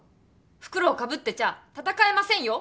ふくろうかぶってちゃ戦えませんよ？